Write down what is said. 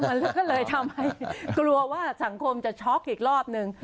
มันก็เลยทำให้กลัวว่าสังคมจะช็อกอีกรอบนึง